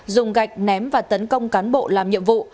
dùng gạch ném và tấn công cán bộ làm nhiệm vụ